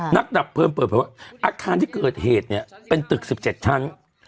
ดับเพลิงเปิดเผยว่าอาคารที่เกิดเหตุเนี่ยเป็นตึก๑๗ชั้น